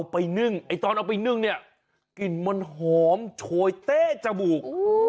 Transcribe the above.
อ๋อเป็นห่อบก